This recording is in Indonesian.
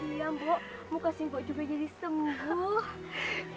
iya bu mau kasih bu juga jadi sembuh